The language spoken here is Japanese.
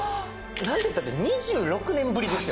何てったって２６年ぶりですよ。